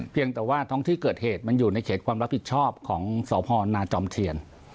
เพียงแต่ว่าท้องที่เกิดเหตุมันอยู่ในเขตความรับผิดชอบของสพนาจอมเทียน